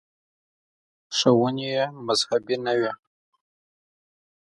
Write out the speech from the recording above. • ښوونې یې مذهبي نه وې.